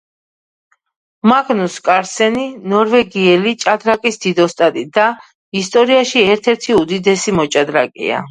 მაგნუს კარლსენი ნორვეგიელი ჭადრაკის დიდოსტატი და ისტორიაში ერთ-ერთი უდიდესი მოჭადრაკეა